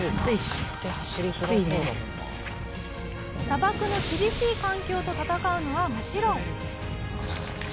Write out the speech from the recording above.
砂漠の厳しい環境と闘うのはもちろん。